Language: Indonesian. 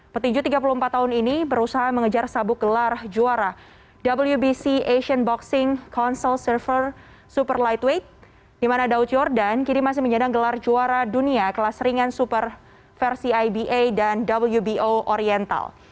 petinju tiga puluh empat tahun ini berusaha mengejar sabuk gelar juara wbc asian boxing council server super lightweight di mana daud yordan kini masih menyadang gelar juara dunia kelas ringan super versi iba dan wbo oriental